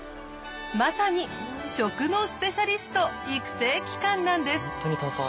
まさに食のスペシャリスト育成機関なんです！